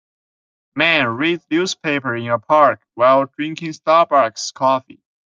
Man reads newspaper in a park while drinking Starbuck 's coffee.